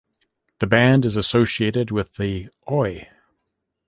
The band is associated with the Oi!